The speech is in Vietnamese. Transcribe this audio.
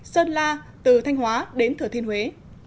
sơn la từ thanh hóa đến thừa thiên huế